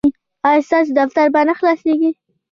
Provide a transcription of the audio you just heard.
ایا ستاسو دفتر به نه خلاصیږي؟